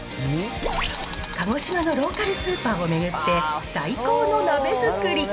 鹿児島のローカルスーパーを巡って、最高の鍋作り。